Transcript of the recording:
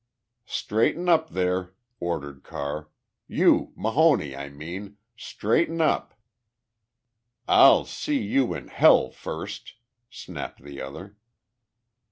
"Straighten up there!" ordered Carr. "You Mahoney I mean! Straighten up!" "I'll see you in hell first!" snapped the other.